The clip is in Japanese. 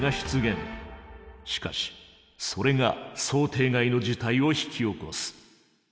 しかしそれが想定外の事態を引き起こす。